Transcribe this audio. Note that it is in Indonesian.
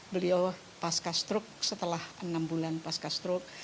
beliau pasca struk setelah enam bulan pasca struk